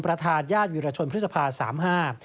ประธานยาดวิรชนพฤษภาสามห้า